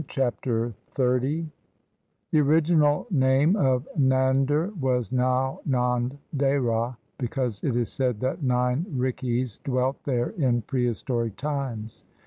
Chapter XXX The original name of Nander was Nau Nand Dehra, because it is said that nine rikhis dwelt there in prehistoric times.